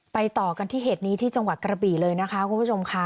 ต่อกันที่เหตุนี้ที่จังหวัดกระบี่เลยนะคะคุณผู้ชมค่ะ